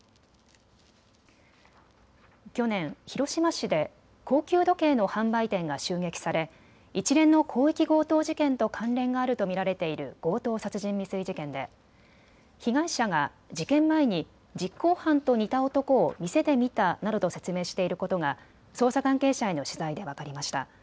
去年、広島市で高級時計の販売店が襲撃され一連の広域強盗事件と関連があると見られている強盗殺人未遂事件で被害者が事件前に実行犯と似た男を店で見たなどと説明していることが捜査関係者への取材で分かりました。